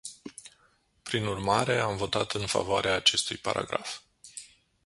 Prin urmare, am votat în favoarea acestui paragraf.